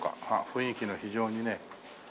雰囲気の非常にね。